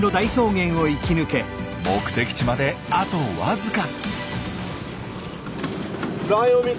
目的地まであとわずか。